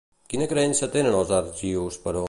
Quina creença tenen els argius, però?